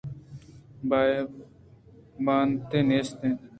بانداتے نیست اِنت